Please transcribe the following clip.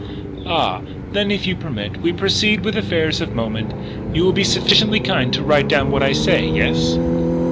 "Ah! Then, if you permit, we proceed with affairs of moment. You will be sufficiently kind to write down what I say. Yes?"